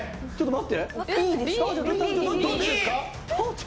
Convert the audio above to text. えっ⁉